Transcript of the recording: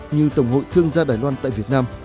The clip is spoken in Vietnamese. như tổng hội thương gia đài loan tại việt nam